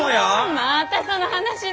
またその話だ。